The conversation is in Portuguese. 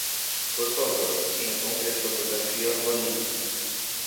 Por favor, encontre a fotografia Rounin.